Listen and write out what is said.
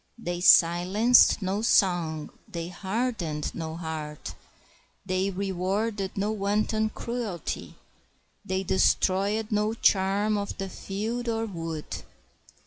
They silenced no song; they hardened no heart; they rewarded no wanton cruelty; they destroyed no charm of the field or wood.